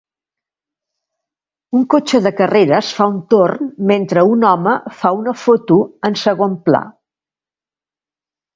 Un cotxe de carreres fa un torn mentre un home fa una foto en segon pla.